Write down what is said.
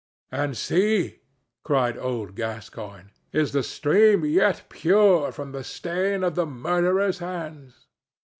"And see!" cried old Gascoigne; "is the stream yet pure from the stain of the murderer's hands?"